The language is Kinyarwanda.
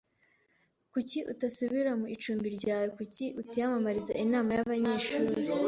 Kuki utasubira mu icumbi ryawe? Kuki utiyamamariza inama y'abanyeshuri?